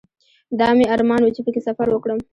دا مې ارمان و چې په کې سفر وکړم.